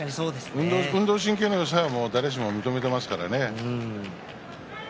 運動神経のよさは誰しも認めていますからね。